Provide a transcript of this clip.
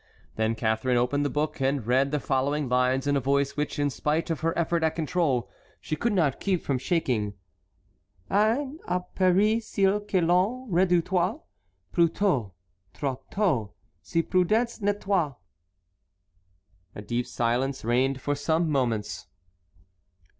Then Catharine opened the book and read the following lines in a voice which, in spite of her effort at control, she could not keep from shaking: "'Ains a peri cil que l'on redoutoit, Plus tôt, trop tôt, si prudence n'etoit.'" A deep silence reigned for some moments.